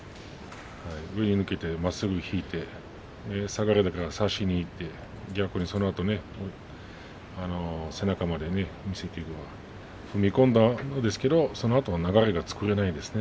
まっすぐいって、下がりながら差しにいって、逆にそのあと背中まで見せて踏み込んだんですけどそのあとの流れが作れないですね。